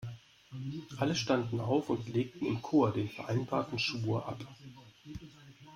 Alle standen auf und legten im Chor den vereinbarten Schwur ab.